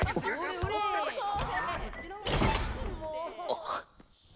あっ。